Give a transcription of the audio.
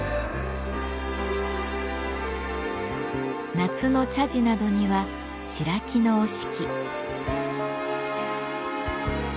夏の茶事などには白木の折敷。